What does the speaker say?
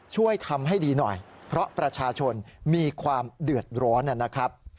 ช่วยทำให้ดีหน่อยเพราะประชาชนมีความเดือดร้อนนะครับ